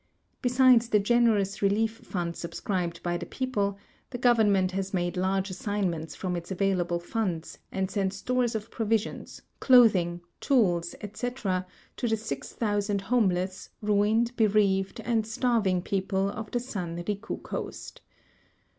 Besides the generous relief fund subscribed by the people, the government has made large assignments from its available funds and sent stores of provisions, clothing, tools, etc., to the 60,000 homeless, ruined, bereaved, and starving people of tlie San Riku coast.